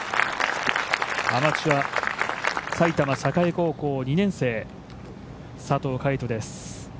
アマチュア、埼玉栄高校２年生佐藤快斗です。